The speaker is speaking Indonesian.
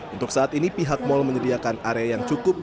untuk saat ini pihak mal menyediakan area yang cukup